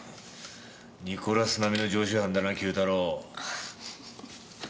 ニコラス並みの常習犯だなＱ太郎。